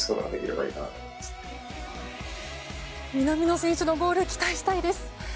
南野選手のゴール期待したいです。